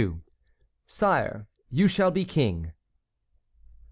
"SIRE, YOU SHALL BE KING."